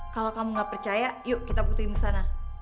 kalau kamu nggak percaya yuk kita putriin ke sana